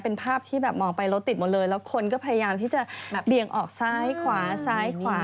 เป็นภาพที่แบบมองไปรถติดหมดเลยแล้วคนก็พยายามที่จะแบบเบี่ยงออกซ้ายขวาซ้ายขวา